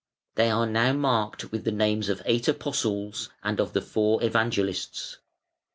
They are now marked with the names of eight Apostles and of the four Evangelists.